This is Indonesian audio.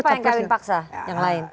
apa yang kawin paksa yang lain